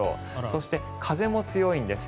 そして、風も強いんです。